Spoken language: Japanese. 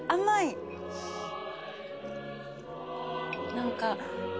何か。